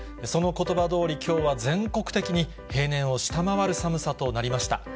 そのことばどおり、きょうは全国的に平年を下回る寒さとなりました。